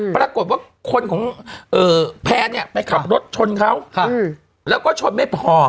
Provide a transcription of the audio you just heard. ปรากฏว่าคนของแพนเนี่ยไปขับรถชนเขาแล้วก็ชนไม่พอ